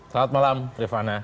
selamat malam rifana